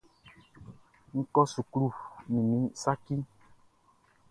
N kɔ suklu nin min saci.